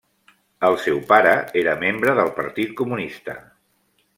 El seu pare era membre del partit comunista.